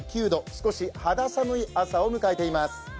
少し、肌寒い朝を迎えています。